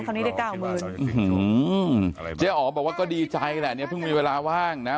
คราวนี้ได้เก้าหมื่นอือหือเจ๋อร์บอกว่าก็ดีใจแหละเนี่ยเพิ่งมีเวลาว่างนะฮะ